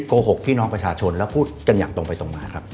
โกหกพี่น้องประชาชนแล้วพูดกันอย่างตรงไปตรงมาครับ